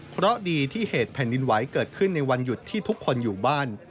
เพราะดีที่เหตุแผ่นดินไหวเกิดขึ้นในวันหยุดที่ทุกคนอยู่บ้าน